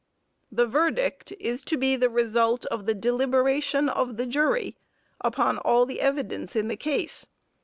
"The verdict is to be the result of the deliberation of the jury upon all the evidence in the case.